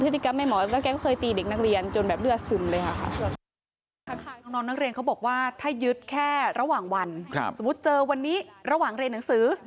สมมติเจอวันนี้ระหว่างเรียนหนังสือ